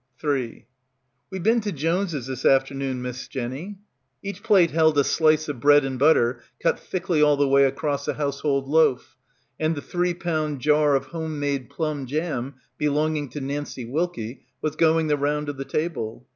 80 BACKWATER 3 "We've been to Jones's this afternoon, Miss Jenny." Each plate held a slice of bread and butter cut thickly all the way across a household loaf, and the three pound jar of home made plum jam be longing to Nancie Wilkie was going the round of the table.